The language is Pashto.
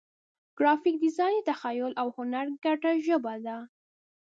ګرافیک ډیزاین د تخیل او هنر ګډه ژبه ده.